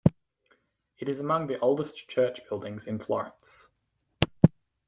It is among the oldest church buildings in Florence.